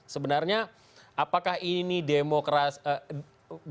sebenarnya apakah ini demokrasi